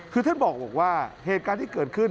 คือท่านบอกว่าเหตุการณ์ที่เกิดขึ้น